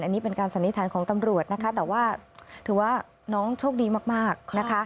อันนี้เป็นการสันนิษฐานของตำรวจนะคะแต่ว่าถือว่าน้องโชคดีมากนะคะ